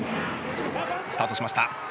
スタートしました。